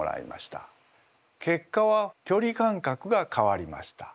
結果はきょり感覚が変わりました。